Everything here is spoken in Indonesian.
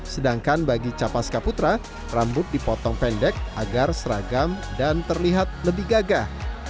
sedangkan bagi capaska putra rambut dipotong pendek agar seragam dan terlihat lebih gagah